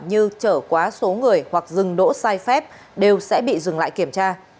như trở quá số người hoặc dừng đỗ sai phép đều sẽ bị dừng lại kiểm tra